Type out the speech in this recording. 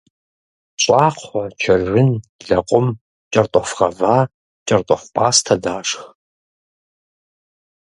Щӏакхъуэ, чыржын, лэкъум, кӏэртӏоф гъэва, кӏэртӏоф пӏастэ дашх.